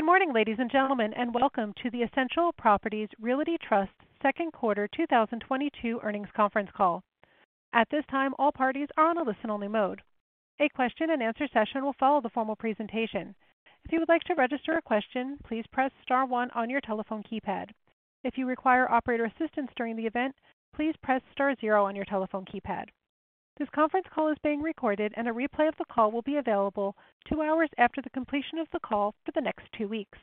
Good morning, ladies and gentlemen, and welcome to the Essential Properties Realty Trust Second Quarter 2022 Earnings Conference Call. At this time, all parties are on a listen-only mode. A question-and-answer session will follow the formal presentation. If you would like to register a question, please press star one on your telephone keypad. If you require operator assistance during the event, please press star zero on your telephone keypad. This conference call is being recorded, and a replay of the call will be available two hours after the completion of the call for the next two weeks.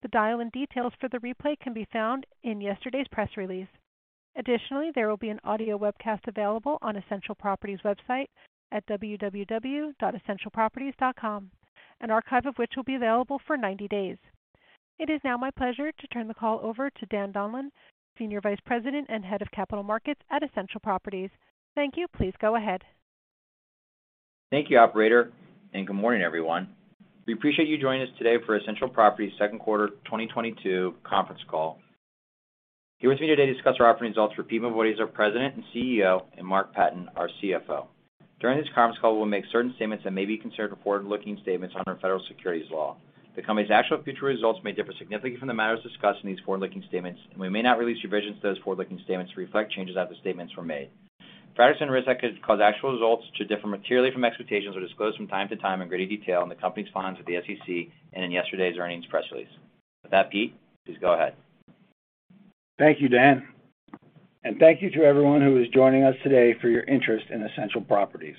The dial-in details for the replay can be found in yesterday's press release. Additionally, there will be an audio webcast available on Essential Properties website at www.essentialproperties.com, an archive of which will be available for 90 days. It is now my pleasure to turn the call over to Daniel Donlan, Senior Vice President and Head of Capital Markets at Essential Properties. Thank you. Please go ahead. Thank you, operator, and good morning, everyone. We appreciate you joining us today for Essential Properties Second Quarter 2022 Conference Call. Here with me today to discuss our operating results are Peter Mavoides, our President and Chief Executive Officer, and Mark Patten, our Chief Financial Officer. During this conference call, we'll make certain statements that may be considered forward-looking statements under federal securities law. The company's actual future results may differ significantly from the matters discussed in these forward-looking statements, and we may not release revisions to those forward-looking statements to reflect changes after the statements were made. Factors and risks that could cause actual results to differ materially from expectations are disclosed from time to time in greater detail in the company's filings with the SEC and in yesterday's earnings press release. With that, Peter, please go ahead. Thank you Dan. Thank you to everyone who is joining us today for your interest in Essential Properties.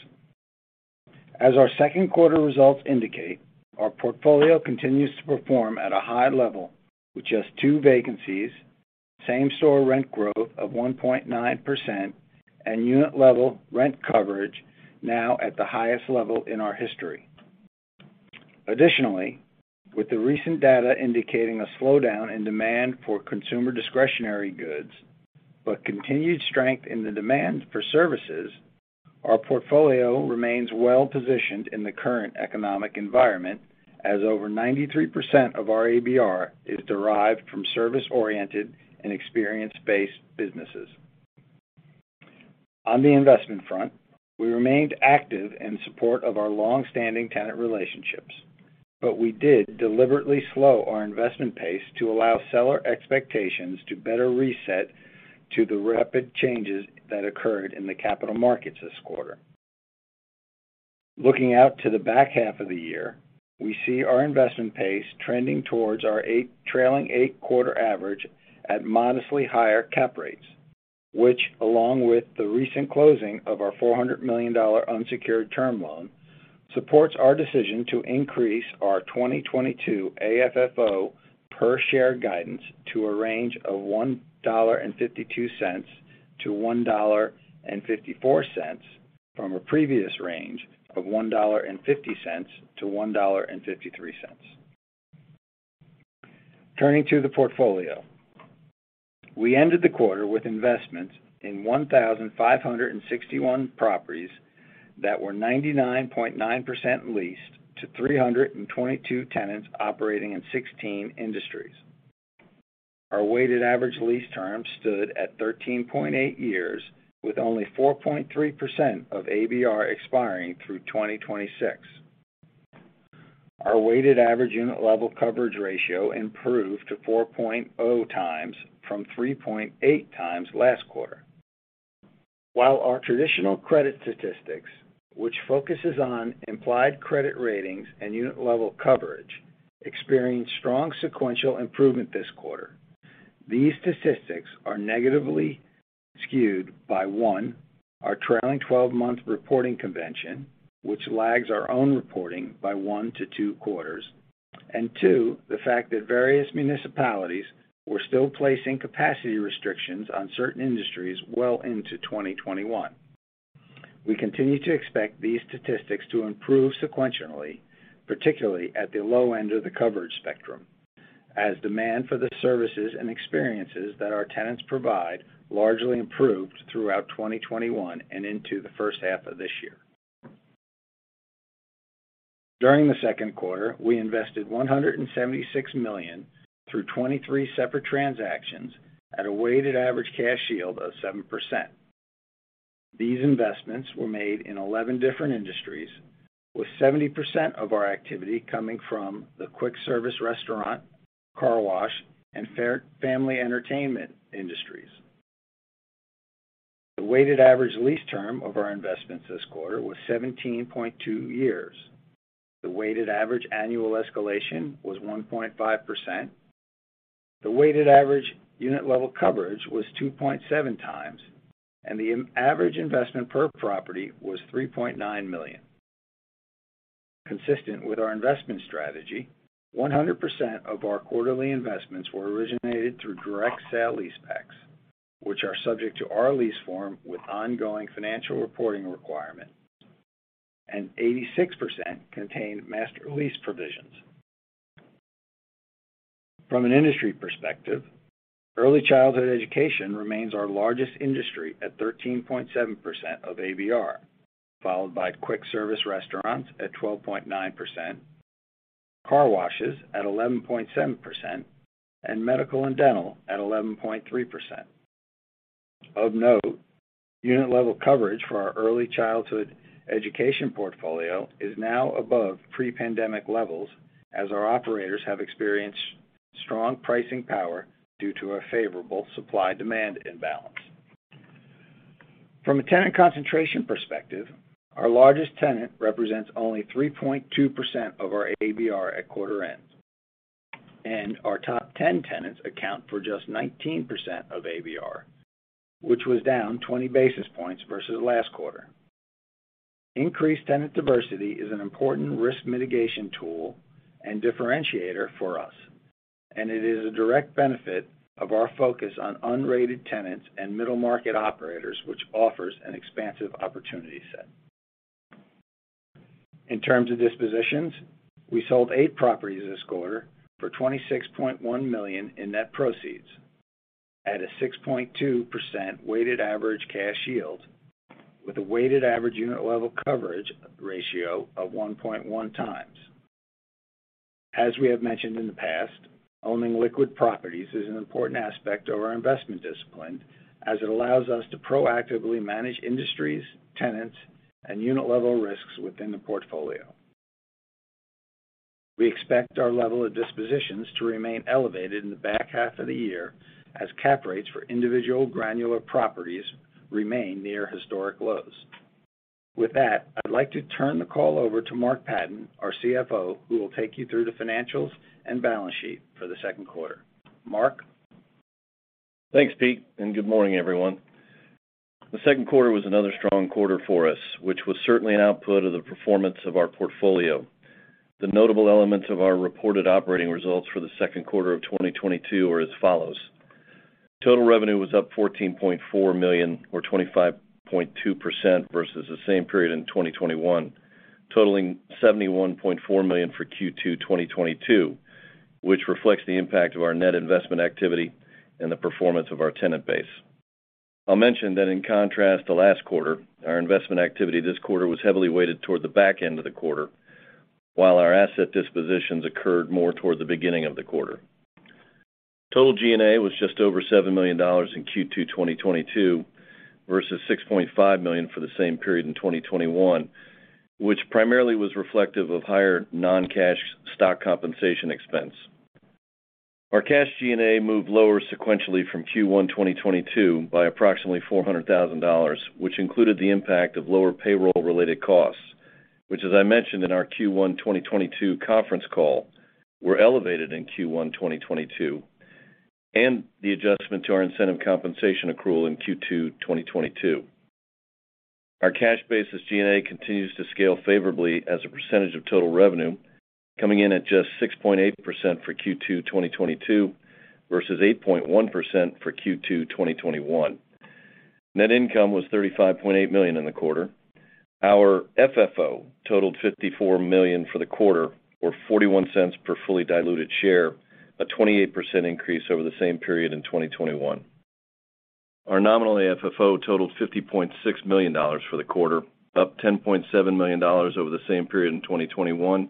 As our second quarter results indicate, our portfolio continues to perform at a high level with just two vacancies, same-store rent growth of 1.9%, and unit-level rent coverage now at the highest level in our history. Additionally, with the recent data indicating a slowdown in demand for consumer discretionary goods but continued strength in the demand for services, our portfolio remains well-positioned in the current economic environment as over 93% of our ABR is derived from service-oriented and experience-based businesses. On the investment front, we remained active in support of our long-standing tenant relationships, but we did deliberately slow our investment pace to allow seller expectations to better reset to the rapid changes that occurred in the capital markets this quarter. Looking out to the back half of the year, we see our investment pace trending towards our eight trailing eight quarter average at modestly higher cap rates, which along with the recent closing of our $400 million unsecured term loan, supports our decision to increase our 2022 AFFO per share guidance to a range of $1.52-$1.54 from a previous range of $1.50-$1.53. Turning to the portfolio. We ended the quarter with investments in 1,561 properties that were 99.9% leased to 322 tenants operating in 16 industries. Our weighted average lease term stood at 13.8 years, with only 4.3% of ABR expiring through 2026. Our weighted average unit level coverage ratio improved to 4.0x from 3.8x last quarter. While our traditional credit statistics, which focuses on implied credit ratings and unit level coverage, experienced strong sequential improvement this quarter, these statistics are negatively skewed by, one, our trailing 12-month reporting convention, which lags our own reporting by one to two quarters, and two, the fact that various municipalities were still placing capacity restrictions on certain industries well into 2021. We continue to expect these statistics to improve sequentially, particularly at the low end of the coverage spectrum, as demand for the services and experiences that our tenants provide largely improved throughout 2021 and into the first half of this year. During the second quarter, we invested $176 million through 23 separate transactions at a weighted average cash yield of 7%. These investments were made in 11 different industries, with 70% of our activity coming from the quick service restaurant, car wash, and family entertainment industries. The weighted average lease term of our investments this quarter was 17.2 years. The weighted average annual escalation was 1.5%. The weighted average unit level coverage was 2.7x, and the average investment per property was $3.9 million. Consistent with our investment strategy, 100% of our quarterly investments were originated through direct sale-leasebacks, which are subject to our lease form with ongoing financial reporting requirements, and 86% contained master lease provisions. From an industry perspective, early childhood education remains our largest industry at 13.7% of ABR, followed by quick service restaurants at 12.9%, car washes at 11.7%, and medical and dental at 11.3%. Of note, unit level coverage for our early childhood education portfolio is now above pre-pandemic levels as our operators have experienced strong pricing power due to a favorable supply-demand imbalance. From a tenant concentration perspective, our largest tenant represents only 3.2% of our ABR at quarter end, and our top 10 tenants account for just 19% of ABR, which was down 20 basis points versus last quarter. Increased tenant diversity is an important risk mitigation tool and differentiator for us, and it is a direct benefit of our focus on unrated tenants and middle market operators, which offers an expansive opportunity set. In terms of dispositions, we sold eight properties this quarter for $26.1 million in net proceeds at a 6.2% weighted average cash yield with a weighted average unit level coverage ratio of 1.1x. As we have mentioned in the past, owning liquid properties is an important aspect of our investment discipline as it allows us to proactively manage industries, tenants, and unit-level risks within the portfolio. We expect our level of dispositions to remain elevated in the back half of the year as cap rates for individual granular properties remain near historic lows. With that, I'd like to turn the call over to Mark Patten, our Chief Financial Officer, who will take you through the financials and balance sheet for the second quarter. Mark? Thanks Peter, and good morning, everyone. The second quarter was another strong quarter for us, which was certainly an output of the performance of our portfolio. The notable elements of our reported operating results for the second quarter of 2022 are as follows. Total revenue was up $14.4 million or 25.2% versus the same period in 2021, totaling $71.4 million for Q2 2022, which reflects the impact of our net investment activity and the performance of our tenant base. I'll mention that in contrast to last quarter, our investment activity this quarter was heavily weighted toward the back end of the quarter, while our asset dispositions occurred more toward the beginning of the quarter. Total G&A was just over $7 million in Q2 2022 versus $6.5 million for the same period in 2021, which primarily was reflective of higher non-cash stock compensation expense. Our cash G&A moved lower sequentially from Q1 2022 by approximately $400,000, which included the impact of lower payroll-related costs, which as I mentioned in our Q1 2022 conference call, were elevated in Q1 2022, and the adjustment to our incentive compensation accrual in Q2 2022. Our cash basis G&A continues to scale favorably as a percentage of total revenue coming in at just 6.8% for Q2 2022 versus 8.1% for Q2 2021. Net income was $35.8 million in the quarter. Our FFO totaled $54 million for the quarter or $0.41 per fully diluted share, a 28% increase over the same period in 2021. Our nominal AFFO totaled $50.6 million for the quarter, up $10.7 million over the same period in 2021,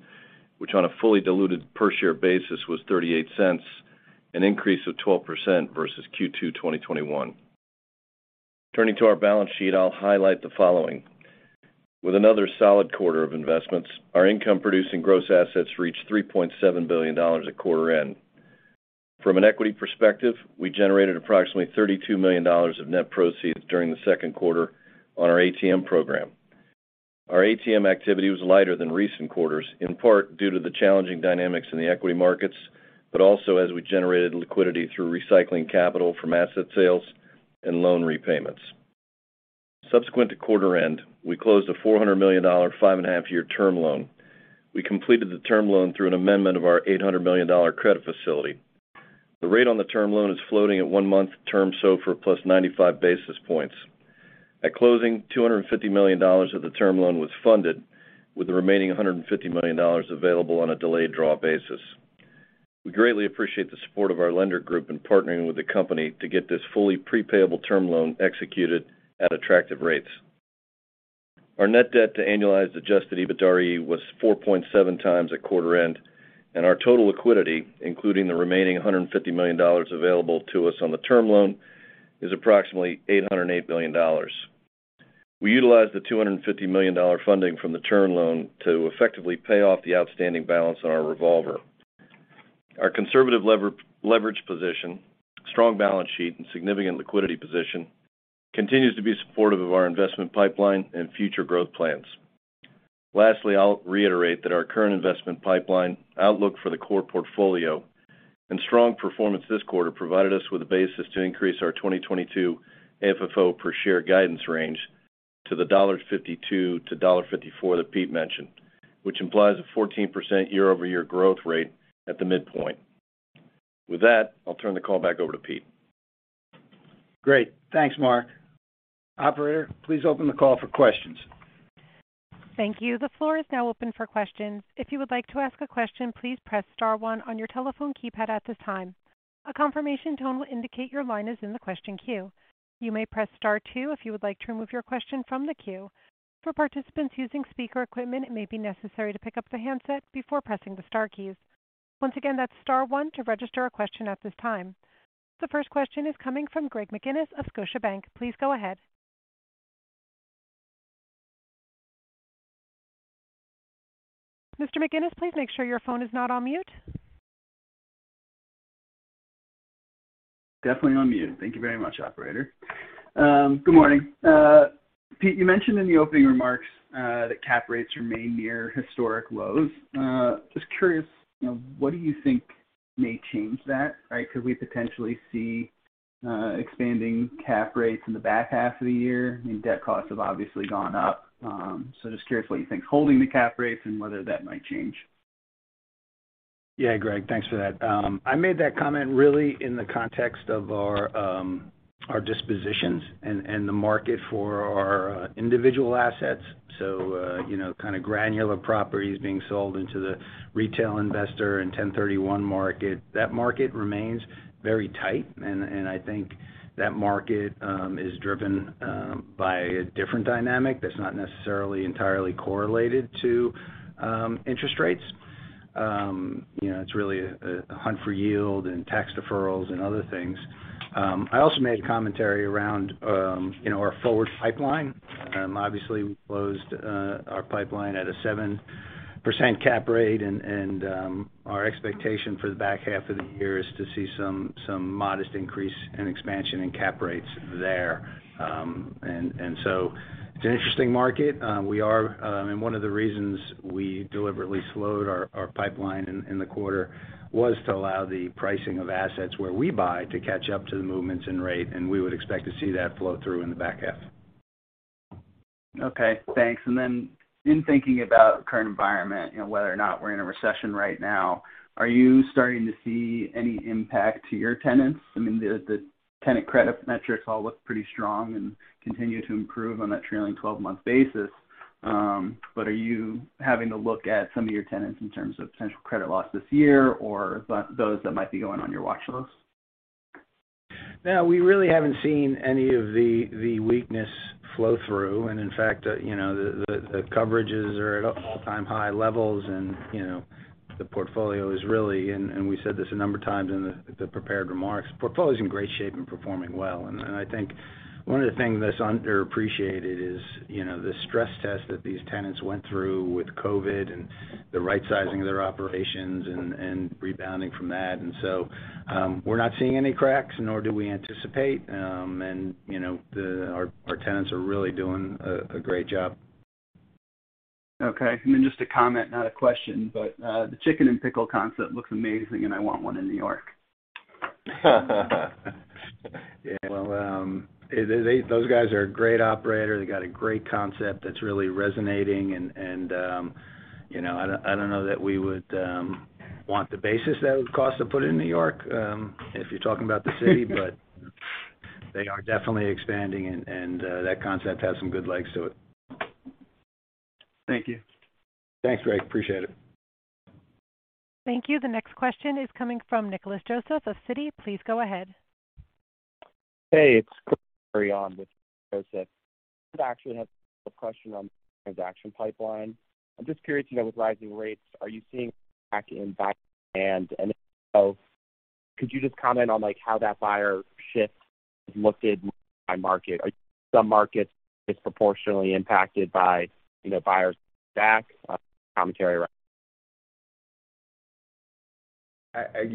which on a fully diluted per share basis was $0.38, an increase of 12% versus Q2 2021. Turning to our balance sheet, I'll highlight the following. With another solid quarter of investments, our income producing gross assets reached $3.7 billion at quarter end. From an equity perspective, we generated approximately $32 million of net proceeds during the second quarter on our ATM program. Our ATM activity was lighter than recent quarters, in part due to the challenging dynamics in the equity markets, but also as we generated liquidity through recycling capital from asset sales and loan repayments. Subsequent to quarter end, we closed a $400 million five and a half year term loan. We completed the term loan through an amendment of our $800 million credit facility. The rate on the term loan is floating at one-month term SOFR plus 95 basis points. At closing, $250 million of the term loan was funded, with the remaining $150 million available on a delayed draw basis. We greatly appreciate the support of our lender group in partnering with the company to get this fully pre-payable term loan executed at attractive rates. Our net debt to annualized adjusted EBITDARE was 4.7x at quarter end, and our total liquidity, including the remaining $150 million available to us on the term loan, is approximately $808 million. We utilized the $250 million funding from the term loan to effectively pay off the outstanding balance on our revolver. Our conservative leverage position, strong balance sheet, and significant liquidity position continues to be supportive of our investment pipeline and future growth plans. Lastly, I'll reiterate that our current investment pipeline outlook for the core portfolio and strong performance this quarter provided us with a basis to increase our 2022 AFFO per share guidance range to $1.52-$1.54 that Peter mentioned, which implies a 14% year-over-year growth rate at the midpoint. With that, I'll turn the call back over to Peter. Great. Thanks, Mark. Operator, please open the call for questions. Thank you. The floor is now open for questions. If you would like to ask a question, please press star one on your telephone keypad at this time. A confirmation tone will indicate your line is in the question queue. You may press star two if you would like to remove your question from the queue. For participants using speaker equipment, it may be necessary to pick up the handset before pressing the star keys. Once again, that's star one to register a question at this time. The first question is coming from Greg McGinniss of Scotiabank. Please go ahead. Mr. McGinniss, please make sure your phone is not on mute. Definitely on mute. Thank you very much, operator. Good morning. Peter, you mentioned in the opening remarks that cap rates remain near historic lows. Just curious, you know, what do you think may change that, right? Could we potentially see expanding cap rates in the back half of the year? I mean, debt costs have obviously gone up. Just curious what you think holding the cap rates and whether that might change. Yeah Greg thanks for that. I made that comment really in the context of our dispositions and the market for our individual assets. You know, kind of granular properties being sold into the retail investor and 1031 market. That market remains very tight and I think that market is driven by a different dynamic that's not necessarily entirely correlated to interest rates. You know, it's really a hunt for yield and tax deferrals and other things. I also made a commentary around you know, our forward pipeline. Obviously we closed our pipeline at a 7% cap rate and our expectation for the back half of the year is to see some modest increase and expansion in cap rates there. And so it's an interesting market. One of the reasons we deliberately slowed our pipeline in the quarter was to allow the pricing of assets where we buy to catch up to the movements in rate, and we would expect to see that flow through in the back half. Okay, thanks. Then in thinking about the current environment and whether or not we're in a recession right now are you starting to see any impact to your tenants? I mean the tenant credit metrics all look pretty strong and continue to improve on that trailing 12 month basis. But are you having to look at some of your tenants in terms of potential credit loss this year or those that might be going on your watch list? No, we really haven't seen any of the weakness flow through. In fact, you know, the coverages are at all-time high levels and, you know the portfolio is really, and we said this a number of times in the prepared remarks portfolio is in great shape and performing well. I think one of the things that's underappreciated is you know the stress test that these tenants went through with COVID and the right sizing of their operations and rebounding from that. We're not seeing any cracks nor do we anticipate. You know our tenants are really doing a great job. Okay. Just a comment not a question, but the Chicken N Pickle concept looks amazing, and I want one in New York. Yeah well those guys are a great operator. They got a great concept that's really resonating, you know, I don't know that we would want the basis that it would cost to put it in New York, if you're talking about the city. They are definitely expanding and that concept has some good legs to it. Thank you. Thanks, Greg. Appreciate it. Thank you. The next question is coming from Nicholas Joseph of Citi. Please go ahead. Hey, it's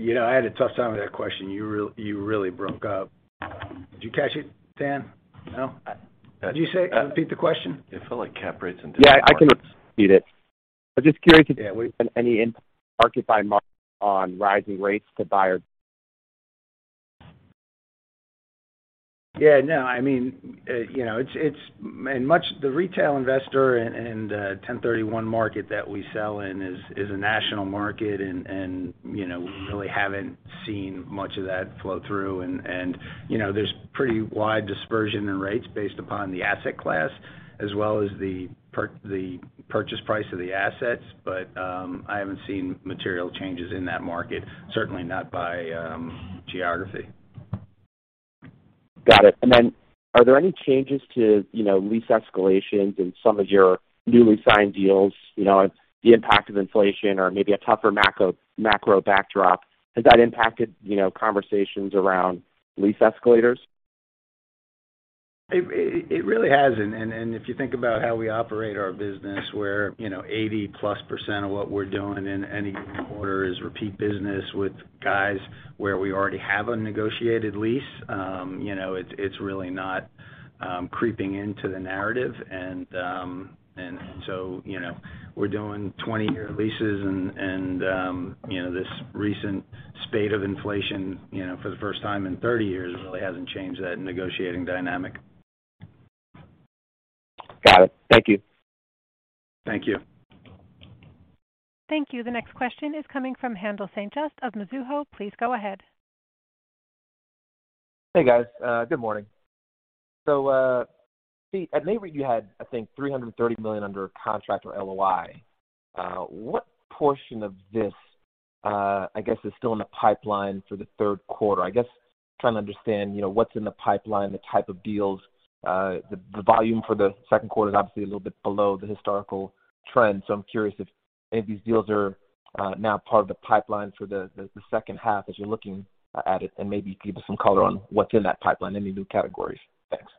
You know, I had a tough time with that question. You really broke up. Did you catch it, Dan? No? Repeat the question. It felt like cap rates and. Yeah, I can repeat it. I was just curious if there was any impact market by market on rising rates to buyers? Yeah no I mean you know, it's much of the retail investor and 1031 market that we sell in is a national market and you know, we really haven't seen much of that flow through and you know, there's pretty wide dispersion in rates based upon the asset class as well as the purchase price of the assets. I haven't seen material changes in that market, certainly not by geography. Got it. Are there any changes to you know lease escalations in some of your newly signed deals? You know the impact of inflation or maybe a tougher macro backdrop has that impacted you know, conversations around lease escalators? It really hasn't. If you think about how we operate our business where, you know, 80%+ of what we're doing in any quarter is repeat business with guys where we already have a negotiated lease, you know it's really not creeping into the narrative. We're doing 20-years leases and you know, this recent spate of inflation, you know for the first time in 30 years really hasn't changed that negotiating dynamic. Got it. Thank you. Thank you. Thank you. The next question is coming from Haendel St. Juste of Mizuho. Please go ahead. Hey guys Good morning. Peter, you had I think $330 million under contract or LOI. What portion of this, I guess, is still in the pipeline for the third quarter? Trying to understand, you know, what's in the pipeline, the type of deals. The volume for the second quarter is obviously a little bit below the historical trend. I'm curious if any of these deals are now part of the pipeline for the second half as you're looking at it, and maybe give us some color on what's in that pipeline, any new categories? Thanks.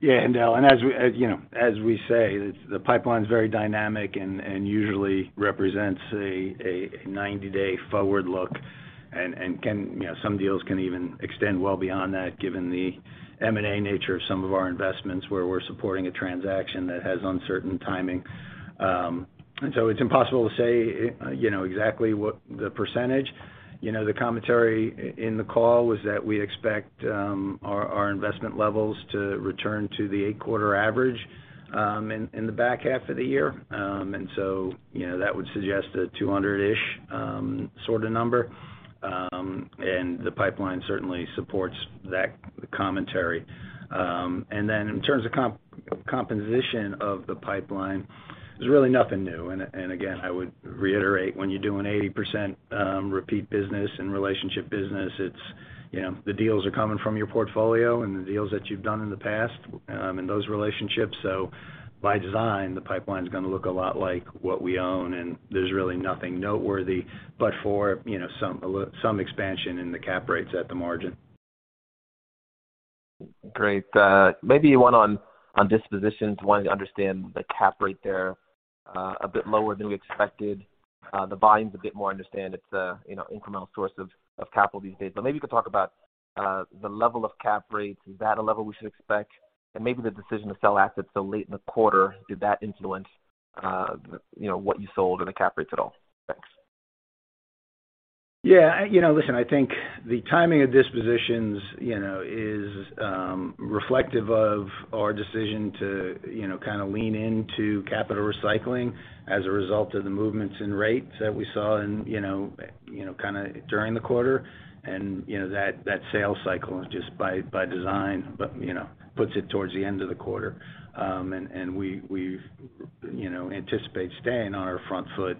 Yeah Haendel, as you know as we say the pipeline's very dynamic and usually represents a 90-days forward look and can, you know some deals can even extend well beyond that given the M&A nature of some of our investments where we're supporting a transaction that has uncertain timing. It's impossible to say you know exactly what the percentage. The commentary in the call was that we expect our investment levels to return to the eight-quarter average in the back half of the year. That would suggest a 200-ish sort of number. The pipeline certainly supports that commentary. In terms of composition of the pipeline, there's really nothing new. Again, I would reiterate, when you're doing 80% repeat business and relationship business it's you know the deals are coming from your portfolio and the deals that you've done in the past, and those relationships. By design, the pipeline's gonna look a lot like what we own, and there's really nothing noteworthy but for you know some expansion in the cap rates at the margin. Great. Maybe one on dispositions. Wanted to understand the cap rate there, a bit lower than we expected. The volume's a bit more, I understand. It's, you know, an incremental source of capital these days. Maybe you could talk about the level of cap rates. Is that a level we should expect? Maybe the decision to sell assets so late in the quarter did that influence you know, what you sold or the cap rates at all? Thanks. Yeah. You know listen, I think the timing of dispositions you know, is reflective of our decision to, you know kind of lean into capital recycling as a result of the movements in rates that we saw in, you know kind of during the quarter. You know, that sales cycle is just by design but you know puts it towards the end of the quarter. We anticipate staying on our front foot,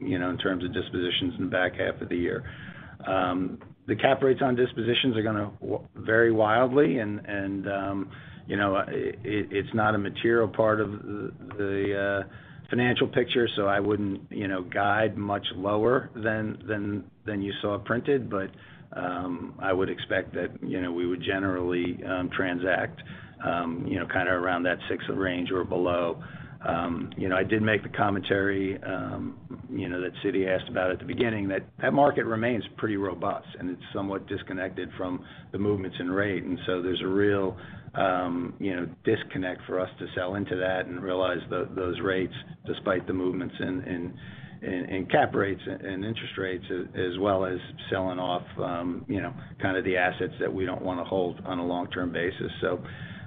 you know, in terms of dispositions in the back half of the year. The cap rates on dispositions are gonna vary wildly and, you know, it's not a material part of the financial picture so I wouldn't you know, guide much lower than you saw printed. I would expect that you know, we would generally transact, you know, kind of around that six range or below. You know, I did make the commentary you know, that Citi asked about at the beginning that the market remains pretty robust, and it's somewhat disconnected from the movements in rates. There's a real you know, disconnect for us to sell into that and realize those rates despite the movements in cap rates and interest rates as well as selling off you know, kind of the assets that we don't wanna hold on a long-term basis.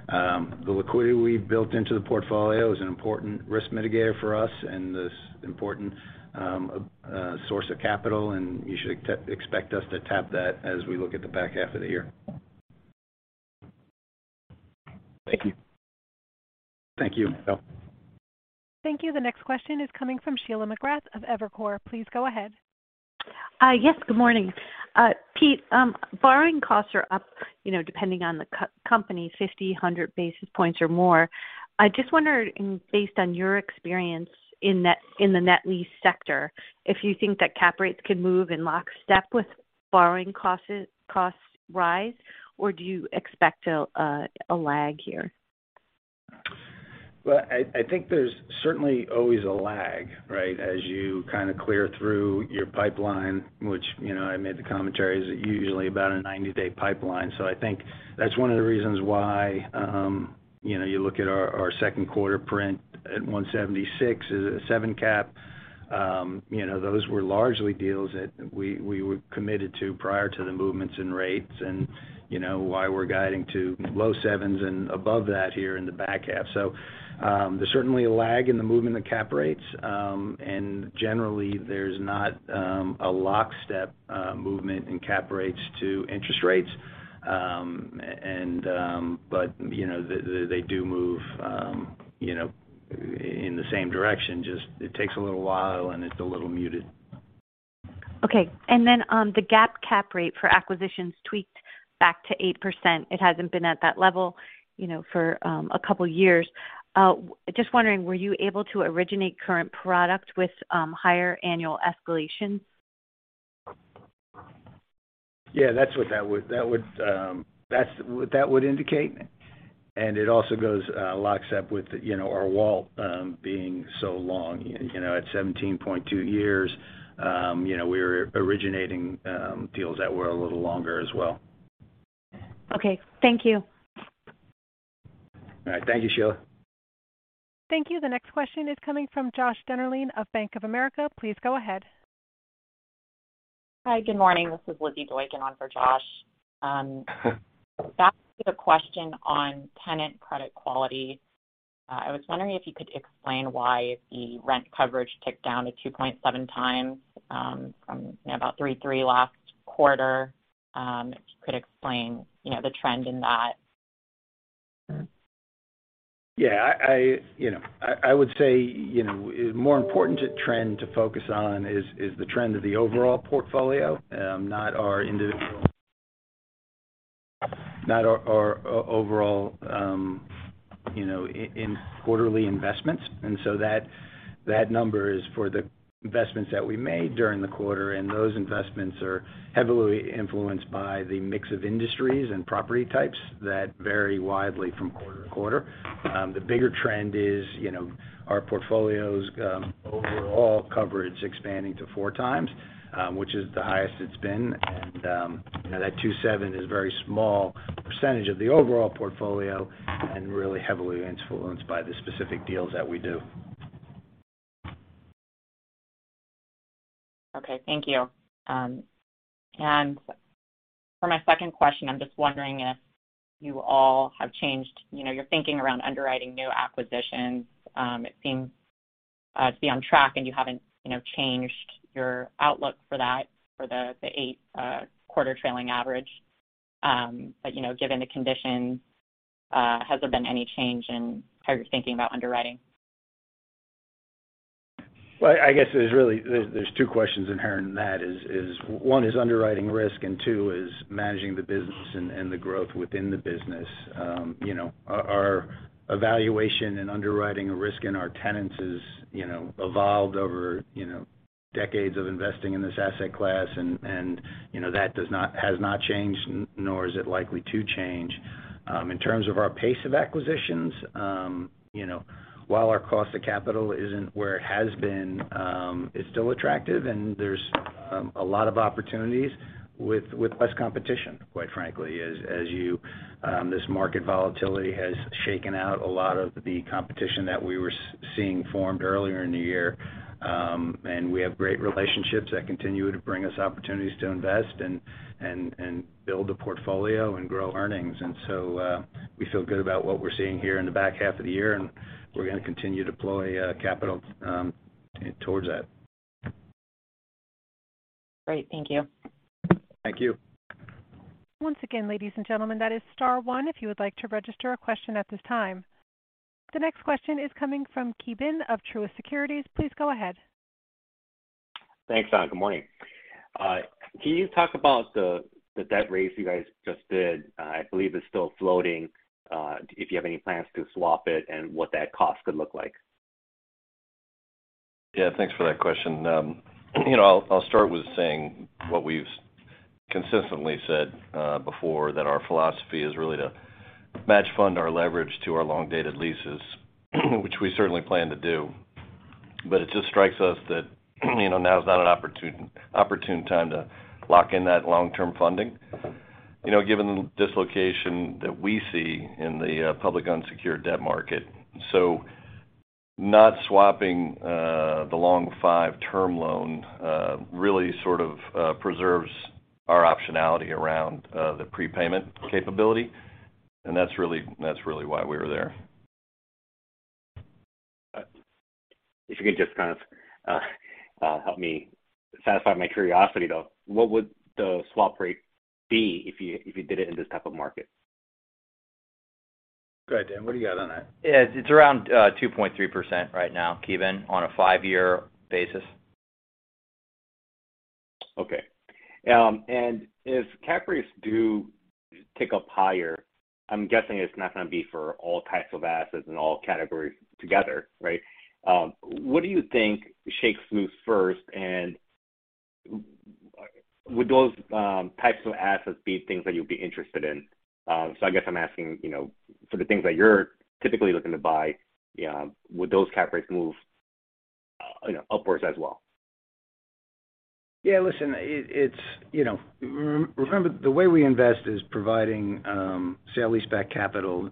The liquidity we've built into the portfolio is an important risk mitigator for us and this important source of capital, and you should expect us to tap that as we look at the back half of the year. Thank you. Thank you, Haendel. Thank you. The next question is coming from Sheila McGrath of Evercore. Please go ahead. Yes, good morning. Peter, borrowing costs are up, you know, depending on the company, 50, 100 basis points or more. I just wonder, based on your experience in the net lease sector, if you think that cap rates could move in lockstep with borrowing costs rise, or do you expect a lag here? Well, I think there's certainly always a lag right? As you kind of clear through your pipeline which you know, I made the commentary, is usually about a 90-day pipeline. I think that's one of the reasons why, you know, you look at our second quarter print at 176 is a seven cap. You know, those were largely deals that we were committed to prior to the movements in rates and, you know why we're guiding to low sevens and above that here in the back half. There's certainly a lag in the movement of cap rates, and generally, there's not a lockstep movement in cap rates to interest rates. But you know they do move, you know, in the same direction. Just it takes a little while, and it's a little muted. Okay. The cap rate for acquisitions tweaked back to 8%. It hasn't been at that level you know, for a couple years. Just wondering, were you able to originate current product with higher annual escalation? Yeah, that's what that would indicate. It also goes lines up with you know our WALT being so long, you know, at 17.2 years, you know we were originating deals that were a little longer as well. Okay. Thank you. All right. Thank you, Sheila. Thank you. The next question is coming from Joshua Dennerlein of Bank of America. Please go ahead. Hi. Good morning. This is Elizabeth Boykin on for Josh. Back to the question on tenant credit quality. I was wondering if you could explain why the rent coverage ticked down to 2.7x, from, you know, about 3.3 last quarter. If you could explain, you know, the trend in that. Yeah you know I would say you know, a more important trend to focus on is the trend of the overall portfolio, not our overall in quarterly investments. That number is for the investments that we made during the quarter, and those investments are heavily influenced by the mix of industries and property types that vary widely from quarter to quarter. The bigger trend is, you know, our portfolio's overall coverage expanding to 4x, which is the highest it's been. You know, that 2.7 is very small percentage of the overall portfolio and really heavily influenced by the specific deals that we do. Okay. Thank you. For my second question, I'm just wondering if you all have changed, you know, your thinking around underwriting new acquisitions. It seems to be on track, and you haven't, you know, changed your outlook for that for the eight-quarter trailing average. Given the conditions, has there been any change in how you're thinking about underwriting? I guess there's really two questions inherent in that, one is underwriting risk, and two is managing the business and the growth within the business. You know, our evaluation and underwriting risk in our tenants is you know evolved over you know decades of investing in this asset class and you know that has not changed nor is it likely to change. In terms of our pace of acquisitions, you know, while our cost of capital isn't where it has been, it's still attractive and there's a lot of opportunities with less competition, quite frankly as this market volatility has shaken out a lot of the competition that we were seeing from earlier in the year. We have great relationships that continue to bring us opportunities to invest and build a portfolio and grow earnings. We feel good about what we're seeing here in the back half of the year, and we're gonna continue to deploy capital towards that. Great. Thank you. Thank you. Once again, ladies and gentlemen, that is star one if you would like to register a question at this time. The next question is coming from Ki Bin Kim of Truist Securities. Please go ahead. Thanks. Good morning. Can you talk about the debt raise you guys just did? I believe it's still floating, if you have any plans to swap it and what that cost could look like. Yeah. Thanks for that question. You know, I'll start with saying what we've consistently said before, that our philosophy is really to match fund our leverage to our long-dated leases, which we certainly plan to do. It just strikes us that, you know, now is not an opportune time to lock in that long-term funding, you know, given the dislocation that we see in the public unsecured debt market. Not swapping the long five-term loan really sort of preserves our optionality around the prepayment capability, and that's really why we were there. If you could just kind of help me satisfy my curiosity, though. What would the swap rate be if you did it in this type of market? Go ahead, Dan. What do you got on that? Yeah. It's around 2.3% right now, Ki Bin, on a five-year basis. Okay. If cap rates do tick up higher, I'm guessing it's not gonna be for all types of assets and all categories together, right? What do you think shakes loose first, and would those types of assets be things that you'd be interested in? I guess I'm asking, you know, for the things that you're typically looking to buy, would those cap rates move, you know, upwards as well? Yeah Listen it's you know. Remember, the way we invest is providing sale-leaseback capital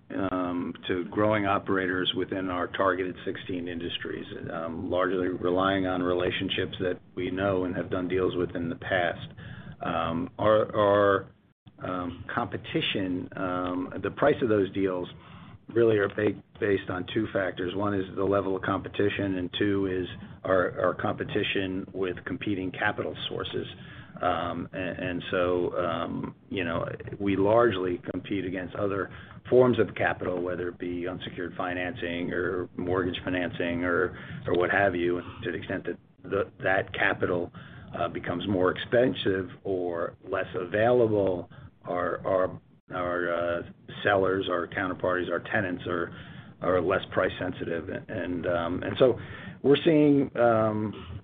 to growing operators within our targeted 16 industries, largely relying on relationships that we know and have done deals with in the past. Our competition, the price of those deals really are based on two factors. One is the level of competition, and two is our competition with competing capital sources. You know, we largely compete against other forms of capital, whether it be unsecured financing or mortgage financing or what have you. To the extent that that capital becomes more expensive or less available, our sellers, our counterparties, our tenants are less price sensitive. We're seeing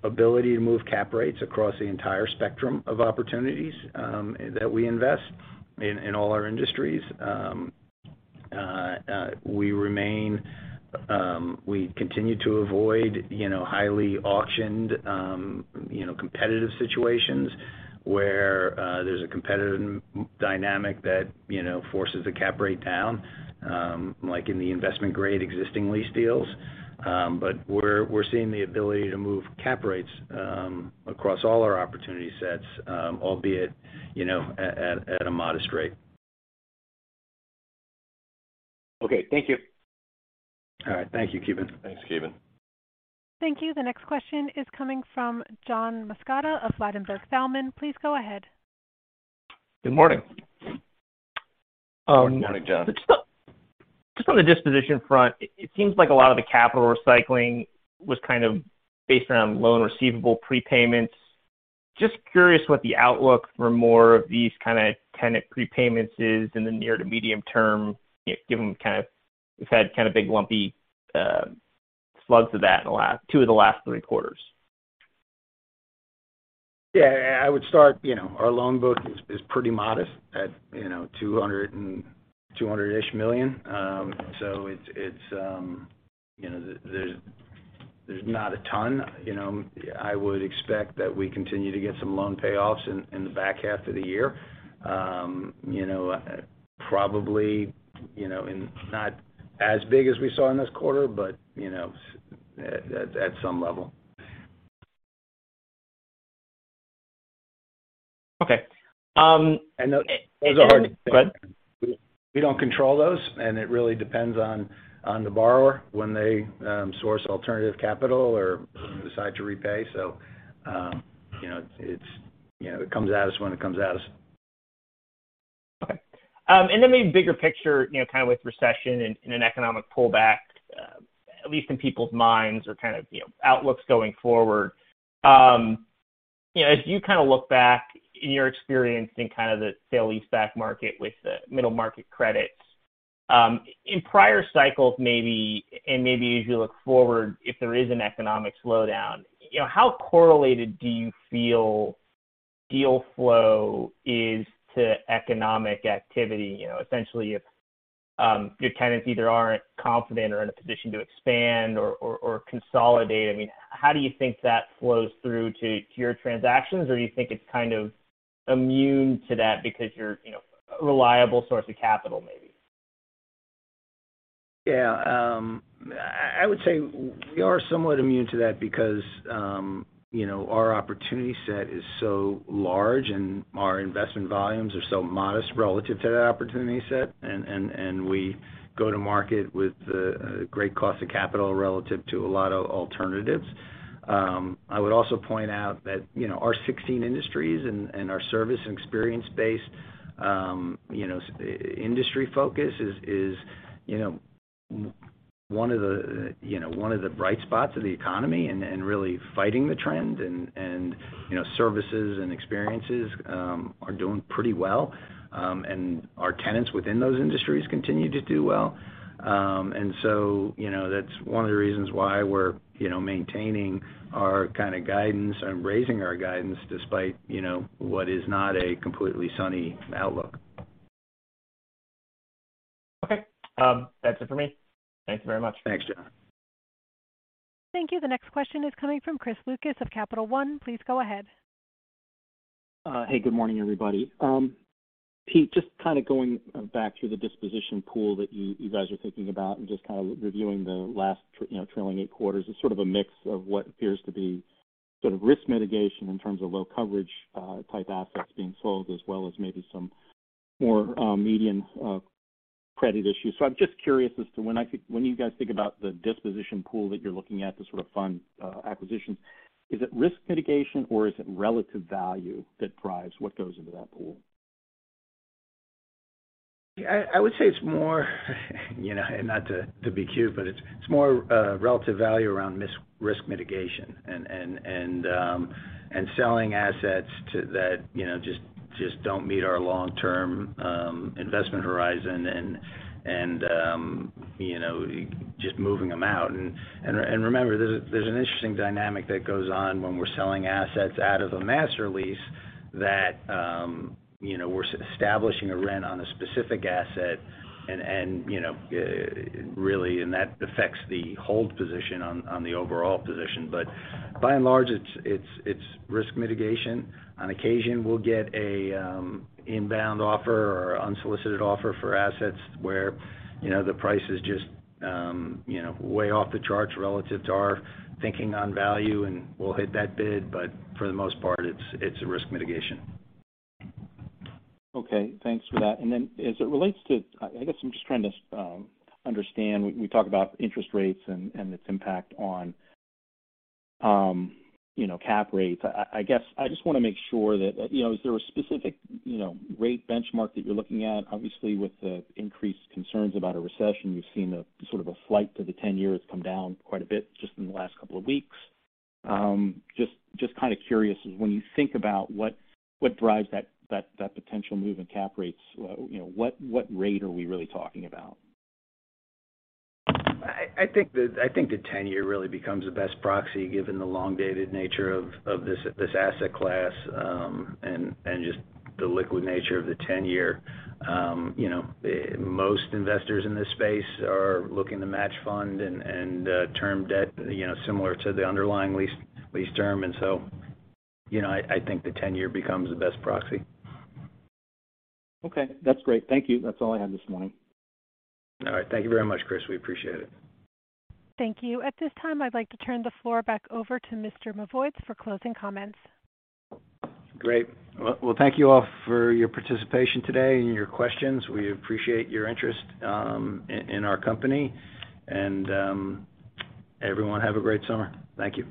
ability to move cap rates across the entire spectrum of opportunities that we invest in all our industries. We continue to avoid, you know highly auctioned you know, competitive situations where there's a competitive dynamic that you know, forces the cap rate down, like in the investment-grade existing lease deals. We're seeing the ability to move cap rates across all our opportunity sets, albeit, you know at a modest rate. Okay. Thank you. All right. Thank you, Ki Bin. Thanks, Ki Bin. Thank you. The next question is coming from John Massocca of Ladenburg Thalmann. Please go ahead. Good morning. Good morning, John. Just on the disposition front, it seems like a lot of the capital recycling was kind of based around loan receivable prepayments. Just curious what the outlook for more of these kinda tenant prepayments is in the near to medium term, given kind of we've had kind of big lumpy slugs of that in the last two of the last three quarters. I would start, you know our loan book is pretty modest at, you know, $200-ish million. It's, you know, there's not a ton. You know, I would expect that we continue to get some loan payoffs in the back half of the year. You know probably, you know, and not as big as we saw in this quarter, but, you know, so at some level. Okay. And those are hard to- Go ahead. We don't control those, and it really depends on the borrower when they source alternative capital or decide to repay. You know, it comes at us when it comes at us. Okay. Maybe bigger picture, you know, kind of with recession and an economic pullback, at least in people's minds or kind of, you know outlooks going forward. You know, as you kind of look back in your experience in kind of the sale-leaseback market with the middle market credits, in prior cycles, maybe, and maybe as you look forward, if there is an economic slowdown, you know, how correlated do you feel deal flow is to economic activity? You know, essentially, if your tenants either aren't confident or in a position to expand or consolidate, I mean how do you think that flows through to your transactions? Do you think it's kind of immune to that because you're you know, a reliable source of capital maybe? Yeah. I would say we are somewhat immune to that because, you know, our opportunity set is so large and our investment volumes are so modest relative to that opportunity set. We go to market with great cost of capital relative to a lot of alternatives. I would also point out that, you know, our 16 industries and our service and experience base, you know, service industry focus is one of the bright spots of the economy and really fighting the trend. You know, services and experiences are doing pretty well. Our tenants within those industries continue to do well. You know, that's one of the reasons why we're, you know, maintaining our kind of guidance and raising our guidance despite, you know, what is not a completely sunny outlook. Okay. That's it for me. Thank you very much. Thanks, John. Thank you. The next question is coming from Christopher Lucas of Capital One. Please go ahead. Hey, good morning, everybody. Peter, just kind of going back to the disposition pool that you guys are thinking about and just kind of reviewing the last, you know, trailing eight quarters is sort of a mix of what appears to be sort of risk mitigation in terms of low coverage type assets being sold, as well as maybe some more median credit issues. I'm just curious as to when you guys think about the disposition pool that you're looking at to sort of fund acquisitions, is it risk mitigation or is it relative value that drives what goes into that pool? I would say it's more, you know, and not to be cute, but it's more relative value around risk mitigation. And selling assets that, you know, just don't meet our long-term investment horizon and, you know, just moving them out. Remember, there's an interesting dynamic that goes on when we're selling assets out of a master lease that, you know, we're establishing a rent on a specific asset and, you know, really, and that affects the hold position on the overall position. But by and large, it's risk mitigation. On occasion, we'll get an inbound offer or unsolicited offer for assets where, you know, the price is just, you know, way off the charts relative to our thinking on value, and we'll hit that bid. For the most part, it's a risk mitigation. Okay, thanks for that. As it relates to, I guess I'm just trying to understand. We talk about interest rates and its impact on, you know, cap rates. I guess I just wanna make sure that, you know, is there a specific, you know, rate benchmark that you're looking at? Obviously, with the increased concerns about a recession, you've seen a sort of a flight to the 10-year come down quite a bit just in the last couple of weeks. Just kinda curious, when you think about what drives that potential move in cap rates, you know, what rate are we really talking about? I think the 10-years really becomes the best proxy given the long-dated nature of this asset class, and just the liquid nature of the 10-years. You know, most investors in this space are looking to match fund and term debt, you know, similar to the underlying lease term. You know, I think the 10-years becomes the best proxy. Okay. That's great. Thank you. That's all I had this morning. All right. Thank you very much, Chris. We appreciate it. Thank you. At this time, I'd like to turn the floor back over to Peter Mavoides for closing comments. Great. Well, thank you all for your participation today and your questions. We appreciate your interest in our company. Everyone have a great summer. Thank you.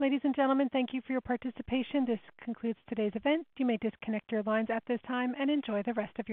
Ladies and gentlemen, thank you for your participation. This concludes today's event. You may disconnect your lines at this time and enjoy the rest of your day.